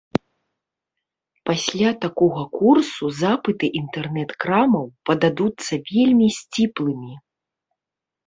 Пасля такога курсу запыты інтэрнэт-крамаў пададуцца вельмі сціплымі.